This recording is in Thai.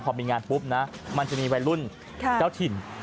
พอมีงานปุ๊บนะมันจะมีวัยรุ่นเจ้าถิ่น